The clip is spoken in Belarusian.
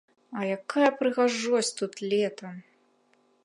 А якая прыгажосць тут летам!